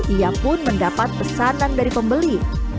ia pun mendapat pesanan dari pembeli